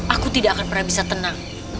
aku tidak akan pernah bisa tenang